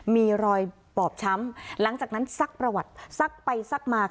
มีรอยบอบช้ำหลังจากนั้นซักประวัติซักไปซักมา